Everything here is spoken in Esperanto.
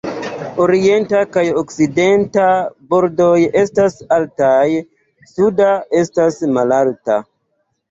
Orienta kaj okcidenta bordoj estas altaj, suda estas malalta.